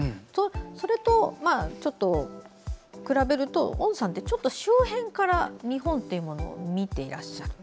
それと比べると温さんって周辺から日本というものを見ていらっしゃる。